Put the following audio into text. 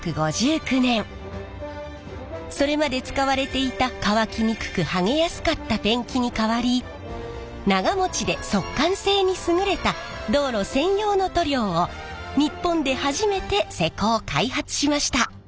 それまで使われていた乾きにくく剥げやすかったペンキに代わり長もちで速乾性に優れた道路専用の塗料を日本で初めて施工開発しました。